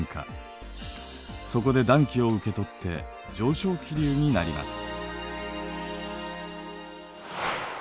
そこで暖気を受け取って上昇気流になります。